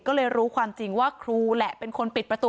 ก็เลยรู้ความจริงว่าครูแหละเป็นคนปิดประตู